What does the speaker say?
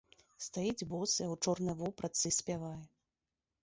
Стаіць босая, у чорнай вопратцы і спявае.